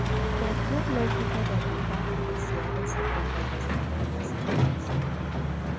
Cualquier lógica de arbitraje deseado se ponga en las tarjetas hijas.